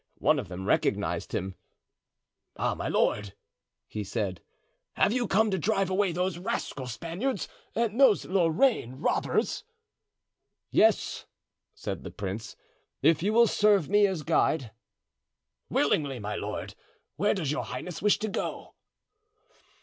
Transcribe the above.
One of them recognized him. "Ah, my lord," he said, "have you come to drive away those rascal Spaniards and those Lorraine robbers?" "Yes," said the prince, "if you will serve me as guide." "Willingly, my lord. Where does your highness wish to go?"